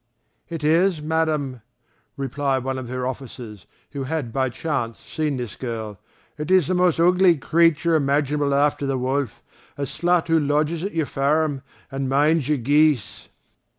"It is, Madam," replied one of her officers who had by chance seen this girl, "It is the most ugly creature imaginable after the wolf, a slut who lodges at your farm, and minds your geese."